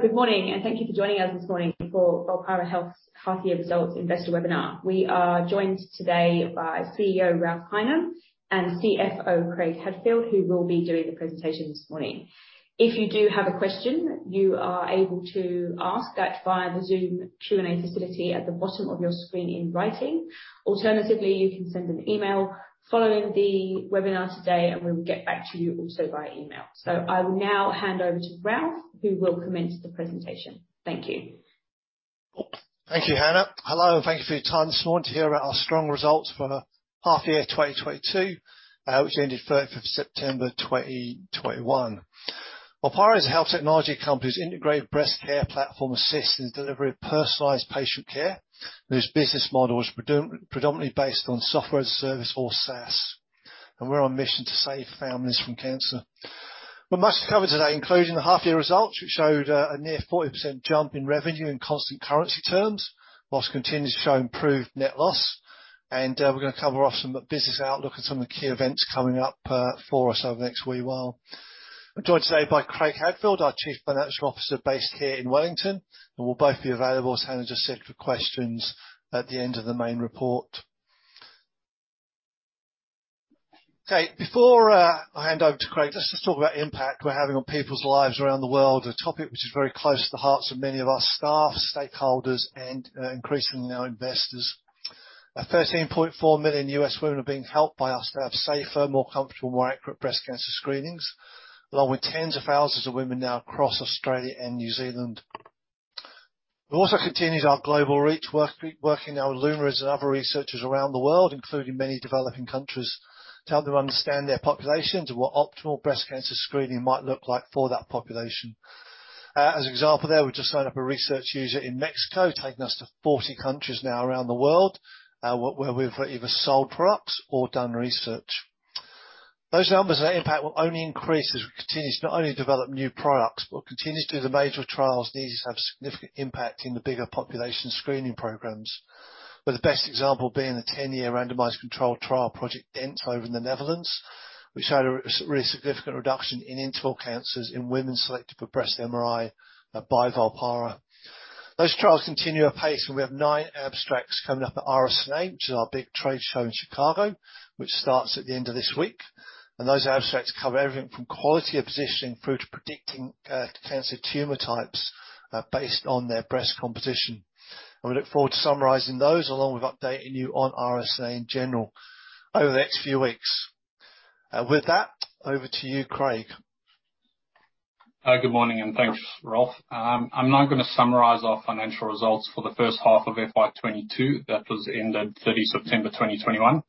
Good morning, and thank you for joining us this morning for Volpara Health's half year results investor webinar. We are joined today by CEO Ralph Highnam and CFO Craig Hadfield, who will be doing the presentation this morning. If you do have a question, you are able to ask that via the Zoom Q&A facility at the bottom of your screen in writing. Alternatively, you can send an email following the webinar today, and we will get back to you also via email. I will now hand over to Ralph, who will commence the presentation. Thank you. Thank you, Hannah. Hello, thank you for your time this morning to hear about our strong results for the half year 2022, which ended 3rd of September 2021. Volpara is a health technology company whose integrated breast care platform assists in the delivery of personalized patient care, whose business model is predominantly based on Software as a Service, or SaaS, and we're on a mission to save families from cancer. We have much to cover today, including the half year results, which showed a near 40% jump in revenue in constant currency terms, while continuing to show improved net loss. We're gonna cover off some business outlook and some of the key events coming up for us over the next wee while. I'm joined today by Craig Hadfield, our Chief Financial Officer based here in Wellington, and we'll both be available, as Hannah just said, for questions at the end of the main report. Okay, before I hand over to Craig, let's just talk about the impact we're having on people's lives around the world, a topic which is very close to the hearts of many of our staff, stakeholders, and increasingly now investors. 13.4 million US women are being helped by us to have safer, more comfortable, and more accurate breast cancer screenings, along with tens of thousands of women now across Australia and New Zealand. We've also continued our global reach working now with Lunit and other researchers around the world, including many developing countries, to help them understand their populations and what optimal breast cancer screening might look like for that population. As an example there, we've just signed up a research user in Mexico, taking us to 40 countries now around the world, where we've either sold products or done research. Those numbers and their impact will only increase as we continue to not only develop new products, but continue to do the major trials needed to have significant impact in the bigger population screening programs, with the best example being the 10-year randomized controlled trial project in Eindhoven, the Netherlands, which had a really significant reduction in interval cancers in women selected for breast MRI by Volpara. Those trials continue apace, and we have nine abstracts coming up at RSNA, which is our big trade show in Chicago, which starts at the end of this week. Those abstracts cover everything from quality of positioning through to predicting cancer tumor types based on their breast composition. We look forward to summarizing those, along with updating you on RSNA in general over the next few weeks. With that, over to you, Craig. Good morning, and thanks, Ralph. I'm now gonna summarize our financial results for the first half of FY 2022, that was ended 30 September 2021.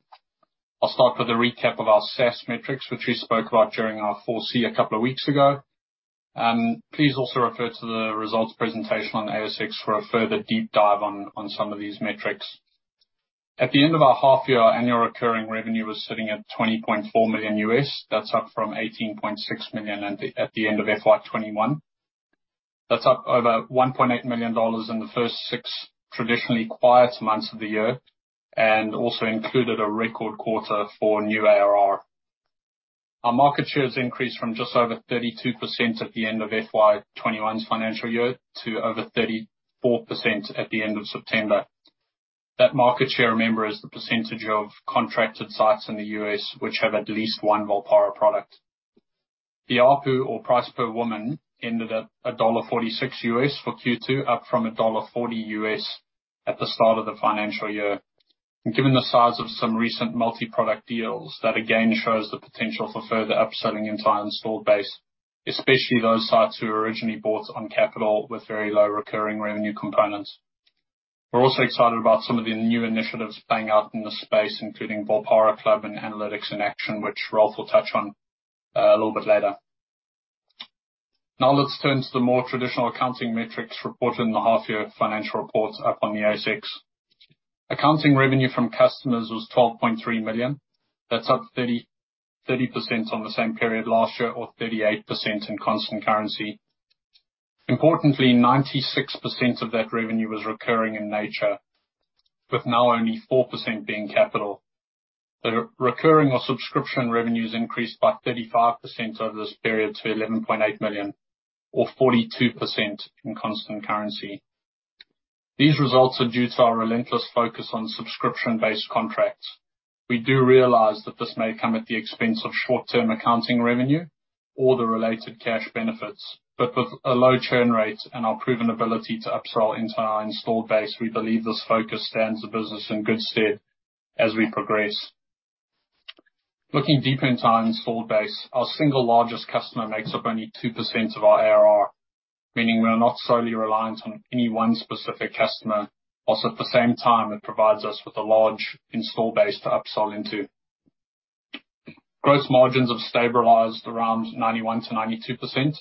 I'll start with a recap of our SaaS metrics, which we spoke about during our 4C a couple of weeks ago. Please also refer to the results presentation on the ASX for a further deep dive on some of these metrics. At the end of our half year, annual recurring revenue was sitting at $20.4 million. That's up from $18.6 million at the end of FY 2021. That's up over $1.8 million in the first six traditionally quiet months of the year, and also included a record quarter for new ARR. Our market share has increased from just over 32% at the end of FY 2021's financial year to over 34% at the end of September. That market share, remember, is the percentage of contracted sites in the U.S. which have at least one Volpara product. The ARPU, or price per woman, ended at $146 for Q2, up from $40 at the start of the financial year. Given the size of some recent multi-product deals, that again shows the potential for further upselling the entire installed base, especially those sites who were originally bought on capital with very low recurring revenue components. We're also excited about some of the new initiatives playing out in this space, including Volpara Club and Analytics in Action, which Ralph will touch on a little bit later. Now let's turn to the more traditional accounting metrics reported in the half year financial reports up on the ASX. Accounting revenue from customers was 12.3 million. That's up 30% on the same period last year, or 38% in constant currency. Importantly, 96% of that revenue was recurring in nature, with now only 4% being capital. The recurring or subscription revenues increased by 35% over this period to 11.8 million, or 42% in constant currency. These results are due to our relentless focus on subscription-based contracts. We do realize that this may come at the expense of short-term accounting revenue or the related cash benefits, but with a low churn rate and our proven ability to upsell into our installed base, we believe this focus stands the business in good stead as we progress. Looking deeper into our installed base, our single largest customer makes up only 2% of our ARR, meaning we are not solely reliant on any one specific customer, while at the same time it provides us with a large install base to upsell into. Gross margins have stabilized around 91%-92%,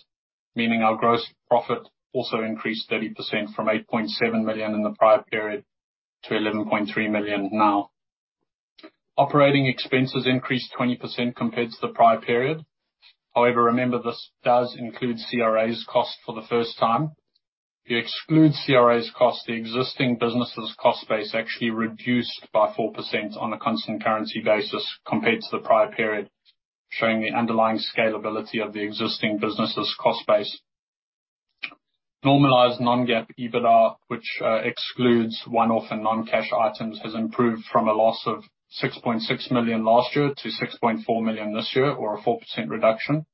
meaning our gross profit also increased 30% from 8.7 million in the prior period to 11.3 million now. Operating expenses increased 20% compared to the prior period. However, remember, this does include CRA's cost for the first time. If you exclude CRA's cost, the existing business's cost base actually reduced by 4% on a constant currency basis compared to the prior period, showing the underlying scalability of the existing business's cost base. Normalized non-GAAP EBITDA, which excludes one-off and non-cash items, has improved from a loss of 6.6 million last year to 6.4 million this year, or a 4% reduction.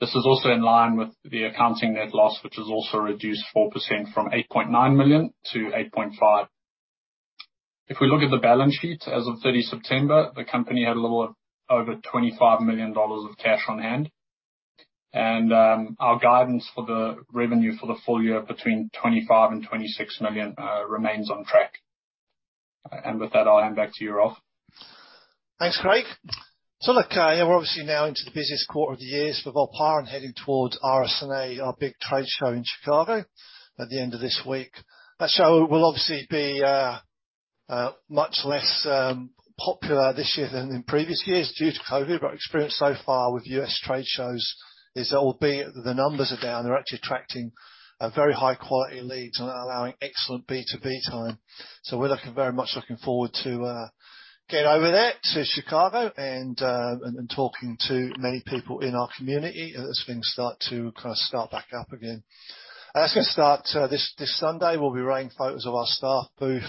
This is also in line with the accounting net loss, which has also reduced 4% from 8.9 million to 8.5 million. If we look at the balance sheet, as of 30 September, the company had a little over 25 million dollars of cash on hand. Our guidance for the revenue for the full year between 25 million and 26 million remains on track. With that, I hand back to you, Ralph. Thanks, Craig. Look, yeah, we're obviously now into the busiest quarter of the year for Volpara and heading towards RSNA, our big trade show in Chicago at the end of this week. That show will obviously be much less popular this year than in previous years due to COVID, but our experience so far with U.S. trade shows is, albeit the numbers are down, they're actually attracting very high quality leads and are allowing excellent B2B time. We're very much looking forward to getting over there to Chicago and talking to many people in our community as things start to kind of start back up again. That's gonna start this Sunday. We'll be running photos of our staff booth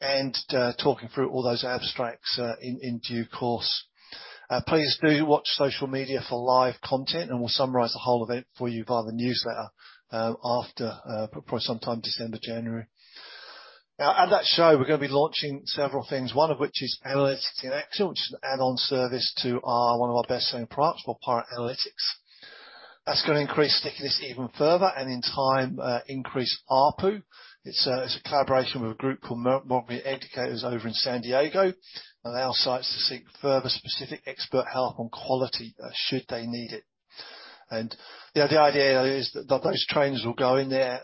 and talking through all those abstracts in due course. Please do watch social media for live content, and we'll summarize the whole event for you via the newsletter after, probably sometime December, January. Now, at that show, we're gonna be launching several things, one of which is Analytics in Action, which is an add-on service to our one of our best-selling products, Volpara Analytics. That's gonna increase stickiness even further, and in time, increase ARPU. It's a collaboration with a group called Mammography Educators over in San Diego, allow sites to seek further specific expert help on quality, should they need it. You know, the idea there is that those trainers will go in there,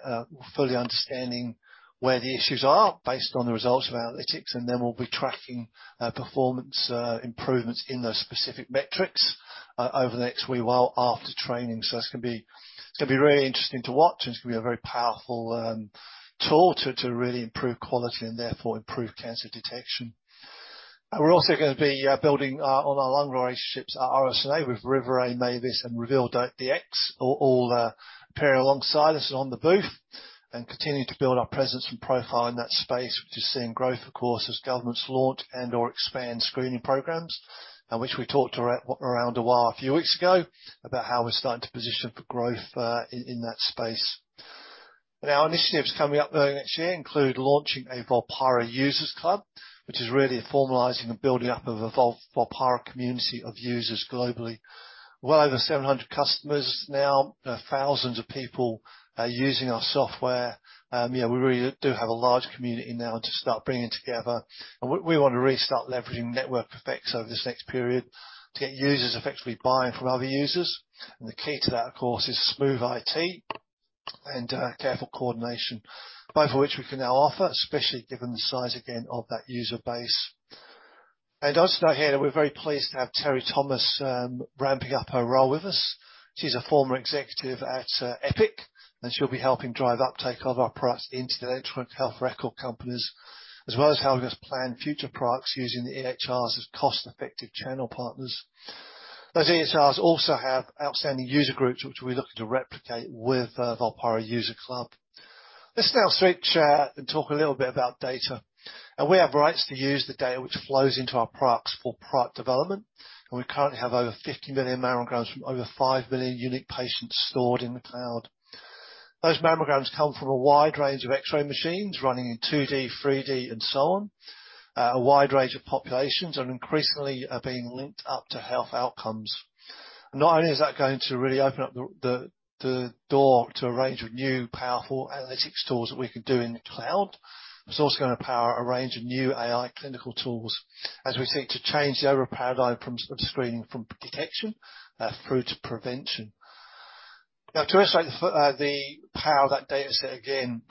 fully understanding where the issues are based on the results of analytics, and then we'll be tracking performance improvements in those specific metrics over the next while after training. That's gonna be, it's gonna be really interesting to watch, and it's gonna be a very powerful tool to really improve quality and therefore improve cancer detection. We're also gonna be building on our long relationships at RSNA with Riverain, MeVis, and RevealDx, all appearing alongside us on the booth and continuing to build our presence and profile in that space, which is seeing growth, of course, as governments launch and/or expand screening programs, which we talked around a while a few weeks ago, about how we're starting to position for growth, in that space. Now, initiatives coming up though next year include launching a Volpara User Club, which is really formalizing the building up of a Volpara community of users globally. Well over 700 customers now, thousands of people are using our software. You know, we really do have a large community now to start bringing together. We wanna really start leveraging network effects over this next period to get users effectively buying from other users. The key to that, of course, is smooth IT and careful coordination, both of which we can now offer, especially given the size again of that user base. Also note here that we're very pleased to have Teri Thomas ramping up her role with us. She's a former executive at Epic, and she'll be helping drive uptake of our products into the electronic health record companies, as well as helping us plan future products using the EHRs as cost-effective channel partners. Those EHRs also have outstanding user groups, which we're looking to replicate with Volpara User Club. Let's now switch and talk a little bit about data. We have rights to use the data which flows into our products for product development, and we currently have over 50 million mammograms from over 5 billion unique patients stored in the cloud. Those mammograms come from a wide range of X-ray machines running in 2D, 3D, and so on, a wide range of populations, and increasingly are being linked up to health outcomes. Not only is that going to really open up the door to a range of new, powerful analytics tools that we can do in the cloud, but it's also gonna power a range of new AI clinical tools as we seek to change the overall paradigm of screening from detection through to prevention. Now, to illustrate the power of that data set again,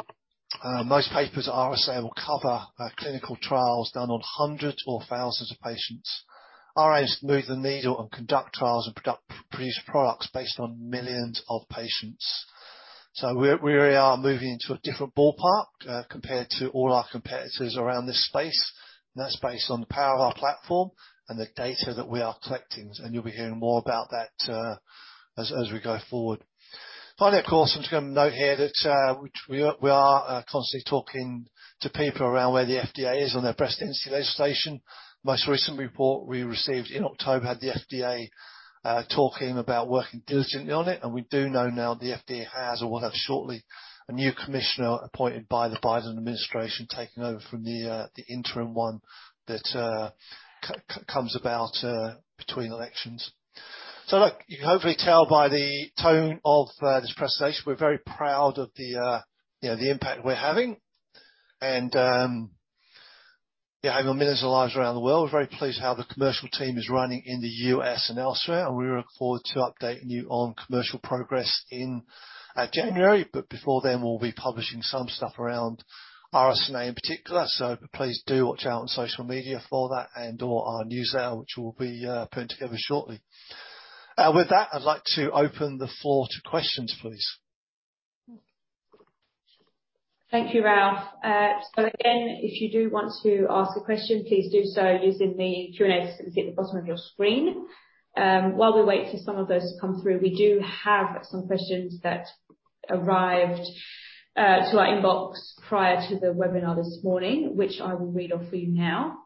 most papers at RSNA will cover clinical trials done on hundreds or thousands of patients. Our aim is to move the needle on conducting trials and producing products based on millions of patients. We really are moving into a different ballpark compared to all our competitors around this space, and that's based on the power of our platform and the data that we are collecting, and you'll be hearing more about that as we go forward. Finally, of course, I'm just gonna note here that we are constantly talking to people around where the FDA is on their breast density legislation. Most recent report we received in October had the FDA talking about working diligently on it, and we do know now the FDA has or will have shortly a new commissioner appointed by the Biden administration taking over from the interim one that comes about between elections. Look, you can hopefully tell by the tone of this presentation, we're very proud of the you know the impact we're having and you know having millions of lives around the world. We're very pleased how the commercial team is running in the U.S. and elsewhere, and we look forward to updating you on commercial progress in January. Before then, we'll be publishing some stuff around RSNA in particular. Please do watch out on social media for that and/or our newsletter, which we'll be putting together shortly. With that, I'd like to open the floor to questions, please. Thank you, Ralph. So again, if you do want to ask a question, please do so using the Q&A system at the bottom of your screen. While we wait for some of those to come through, we do have some questions that arrived to our inbox prior to the webinar this morning, which I will read off for you now.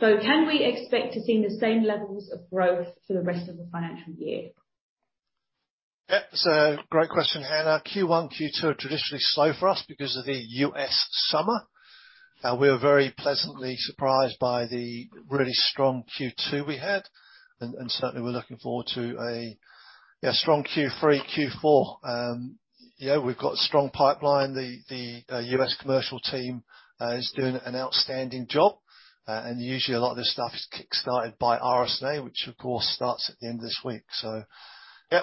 Can we expect to see the same levels of growth for the rest of the financial year? Yeah, it's a great question, Hannah. Q1, Q2 are traditionally slow for us because of the U.S. summer. We were very pleasantly surprised by the really strong Q2 we had and certainly we're looking forward to a strong Q3, Q4. Yeah, we've got a strong pipeline. The U.S. commercial team is doing an outstanding job. Usually a lot of this stuff is kickstarted by RSNA, which of course starts at the end of this week. Yeah,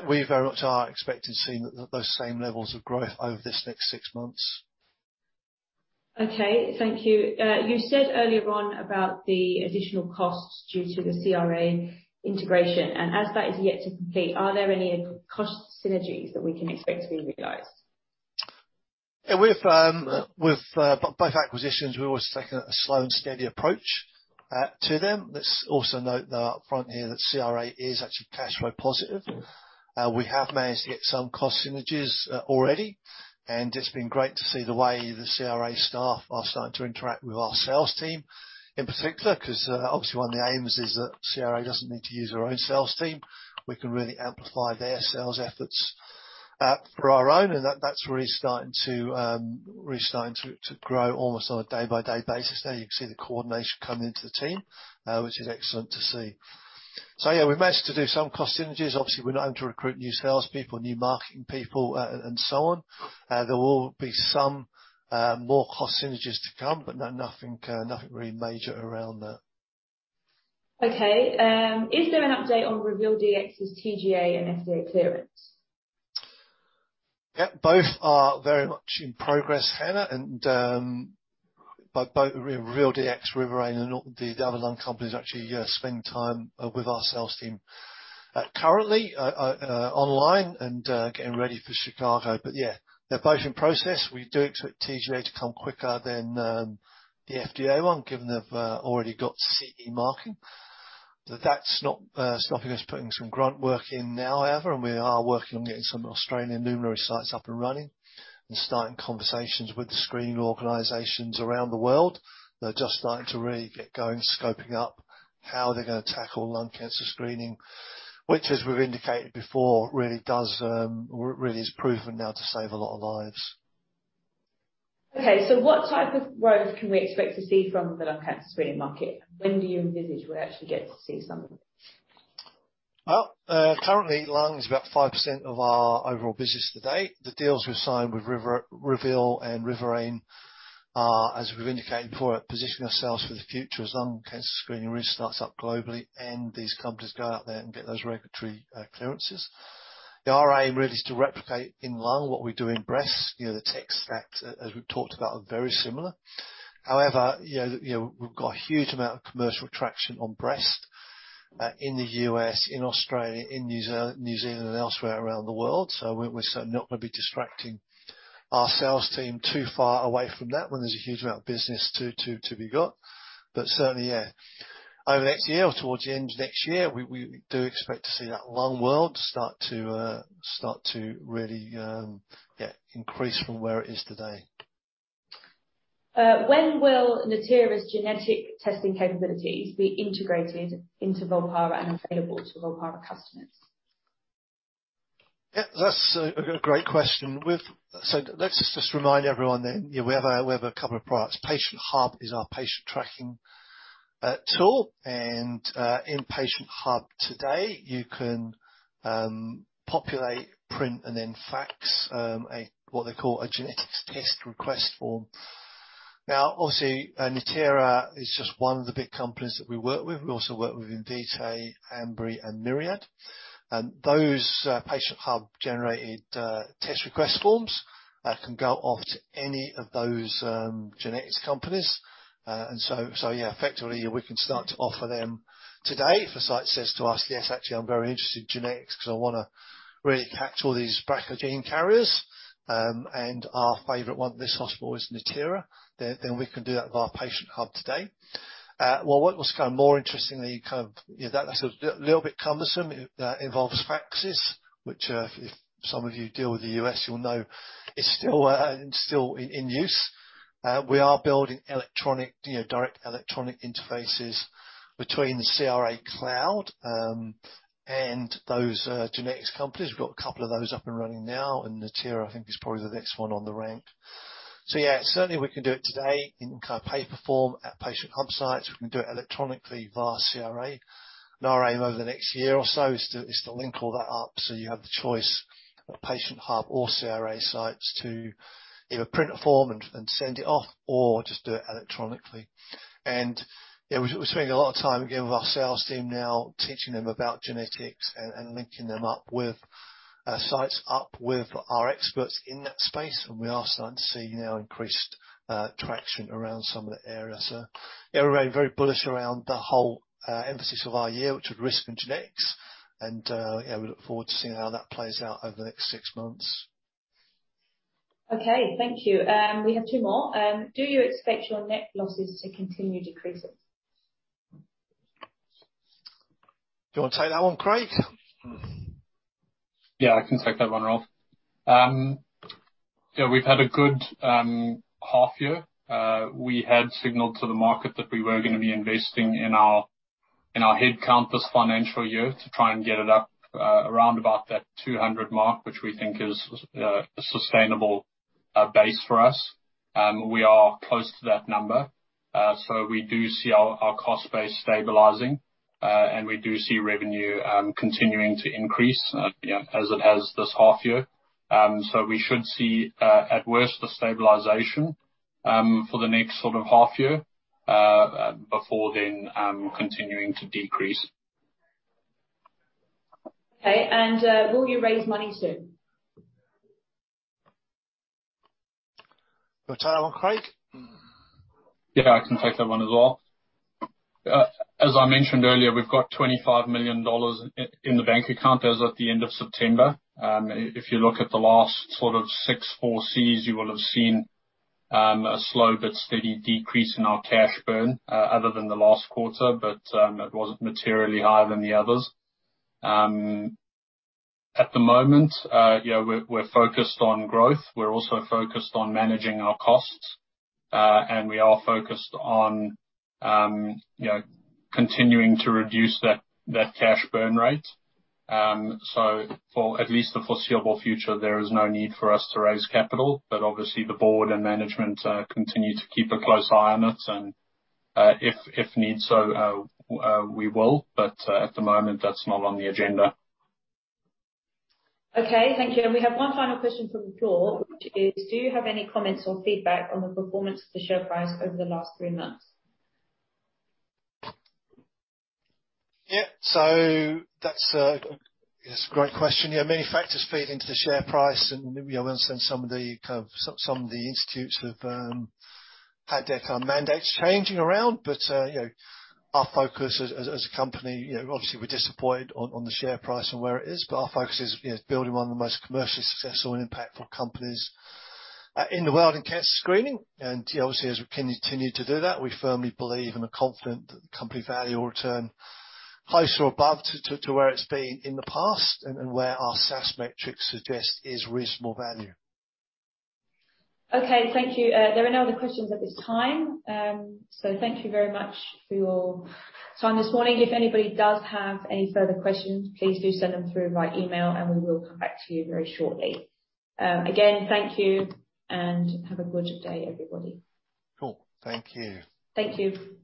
we very much are expecting seeing those same levels of growth over this next six months. Okay. Thank you. You said earlier on about the additional costs due to the CRA integration, and as that is yet to complete, are there any cost synergies that we can expect to be realized? Yeah, with both acquisitions, we always take a slow and steady approach to them. Let's also note, though, upfront here that CRA is actually cash flow positive. We have managed to get some cost synergies already, and it's been great to see the way the CRA staff are starting to interact with our sales team in particular 'cause obviously one of the aims is that CRA doesn't need to use their own sales team. We can really amplify their sales efforts for our own, and that's really starting to grow almost on a day-by-day basis now. You can see the coordination coming into the team, which is excellent to see. Yeah, we managed to do some cost synergies. Obviously, we're now having to recruit new salespeople, new marketing people, and so on. There will be some more cost synergies to come, but nothing really major around that. Okay. Is there an update on RevealDX's TGA and FDA clearance? Yeah, both are very much in progress, Hannah, and both RevealDX, Riverain, and all the other lung companies actually spend time with our sales team currently online and getting ready for Chicago. Yeah, they're both in process. We do expect TGA to come quicker than the FDA one, given they've already got CE marking. That's not stopping us putting some grunt work in now however, and we are working on getting some Australian luminary sites up and running and starting conversations with the screening organizations around the world. They're just starting to really get going, scoping up how they're gonna tackle lung cancer screening, which as we've indicated before, really does or really is proven now to save a lot of lives. What type of growth can we expect to see from the lung cancer screening market? When do you envisage we'll actually get to see some of it? Well, currently lung is about 5% of our overall business today. The deals we've signed with RevealDX and Riverain are, as we've indicated before, positioning ourselves for the future as lung cancer screening really starts up globally and these companies go out there and get those regulatory clearances. Our aim really is to replicate in lung what we do in breast. You know, the tech stacks, as we've talked about, are very similar. However, you know, we've got a huge amount of commercial traction on breast in the U.S., in Australia, in New Zealand and elsewhere around the world, so we're sort of not gonna be distracting our sales team too far away from that when there's a huge amount of business to be got. Certainly, yeah, over next year or towards the end of next year, we do expect to see that lung world start to really, yeah, increase from where it is today. When will Natera's genetic testing capabilities be integrated into Volpara and available to Volpara customers? Yeah, that's a great question. Let's just remind everyone then, you know, we have a couple of products. Patient Hub is our patient tracking tool. In Patient Hub today, you can populate, print, and then fax a what they call a genetics test request form. Now, obviously, Natera is just one of the big companies that we work with. We also work with Invitae, Ambry, and Myriad. Those Patient Hub generated test request forms can go off to any of those genetics companies. Yeah, effectively we can start to offer them today if a site says to us, "Yes, actually, I'm very interested in genetics 'cause I wanna really catch all these BRCA gene carriers, and our favorite one at this hospital is Natera," then we can do that via Patient Hub today. You know, that is a little bit cumbersome. It involves faxes which, if some of you deal with the U.S., you'll know is still in use. We are building electronic, you know, direct electronic interfaces between the CRA cloud and those genetics companies. We've got a couple of those up and running now, and Natera I think is probably the next one on the radar. Yeah, certainly we can do it today in kind of paper form at PatientHub sites. We can do it electronically via CRA. Our aim over the next year or so is to link all that up so you have the choice of PatientHub or CRA sites to either print a form and send it off or just do it electronically. Yeah, we're spending a lot of time, again, with our sales team now teaching them about genetics and linking them up with our experts in that space, and we are starting to see now increased traction around some of the areas. Yeah, we're very bullish around the whole emphasis of our year, which is risk genetics and yeah, we look forward to seeing how that plays out over the next six months. Okay. Thank you. We have two more. Do you expect your net losses to continue decreasing? Do you wanna take that one, Craig? Yeah, I can take that one, Ralph. Yeah, we've had a good half year. We had signaled to the market that we were gonna be investing in our head count this financial year to try and get it up around 200, which we think is sustainable base for us. We are close to that number. So we do see our cost base stabilizing, and we do see revenue continuing to increase, you know, as it has this half year. So we should see, at worst, the stabilization for the next sort of half year before then continuing to decrease. Okay. Will you raise money soon? Wanna take that one, Craig? Yeah, I can take that one as well. As I mentioned earlier, we've got 25 million dollars in the bank account as at the end of September. If you look at the last sort of six 4Cs, you will have seen a slow but steady decrease in our cash burn, other than the last quarter, but it wasn't materially higher than the others. At the moment, you know, we're focused on growth. We're also focused on managing our costs, and we are focused on you know, continuing to reduce that cash burn rate. So for at least the foreseeable future, there is no need for us to raise capital. Obviously, the board and management continue to keep a close eye on it, and if need be, we will, but at the moment, that's not on the agenda. Okay, thank you. We have one final question from the floor, which is: Do you have any comments or feedback on the performance of the share price over the last three months? Yeah, that's it's a great question. Many factors feed into the share price, and you know, in a sense some of the institutes have had their mandates changing around. You know, our focus as a company, you know, obviously we're disappointed on the share price and where it is, but our focus is building one of the most commercially successful and impactful companies in the world in cancer screening. You know, obviously, as we continue to do that, we firmly believe and are confident that the company value will return close or above to where it's been in the past and where our SaaS metrics suggest is reasonable value. Okay, thank you. There are no other questions at this time. Thank you very much for your time this morning. If anybody does have any further questions, please do send them through via email, and we will come back to you very shortly. Again, thank you, and have a good day, everybody. Cool. Thank you. Thank you.